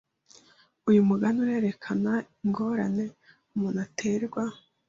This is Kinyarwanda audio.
Uyu mugani urerekana ingorane umuntu aterwa